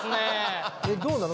どうなの？